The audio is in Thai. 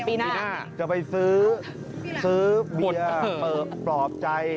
ปีหน้าจะไปซื้อซื้อเบียร์ปลอบใจ